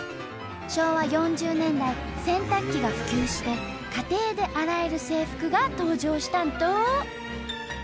昭和４０年代洗濯機が普及して家庭で洗える制服が登場したんと！